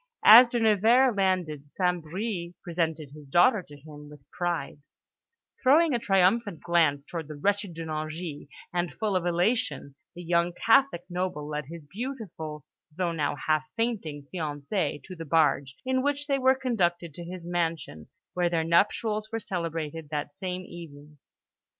As De Nevers landed St. Bris presented his daughter to him with pride, throwing a triumphant glance towards the wretched De Nangis; and, full of elation, the young Catholic noble led his beautiful though now half fainting fiancée to the barge, in which they were conducted to his mansion, where their nuptials were celebrated that same evening.